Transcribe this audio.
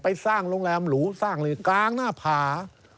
สร้างโรงแรมหรูสร้างเลยกลางหน้าผา